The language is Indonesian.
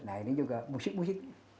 nah ini juga musik musik